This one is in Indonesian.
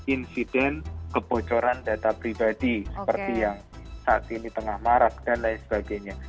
insiden kebocoran data pribadi seperti yang saat ini tengah marak dan lain sebagainya